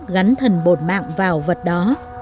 gắn thần bột mạng vào vật đó